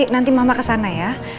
nanti mama kesana ya